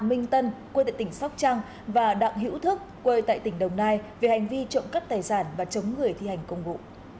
minh tân quê tại tỉnh sóc trăng và đặng hữu thức quê tại tỉnh đồng nai về hành vi trộm cắp tài sản và chống người thi hành công vụ